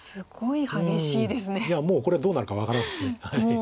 いやもうこれどうなるか分からんです。